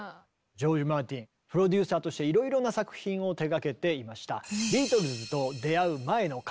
ジョージ・マーティンプロデューサーとしていろいろな作品を手がけていました。